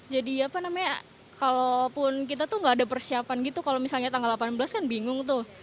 jadi kalau kita tidak ada persiapan gitu kalau misalnya tanggal delapan belas kan bingung tuh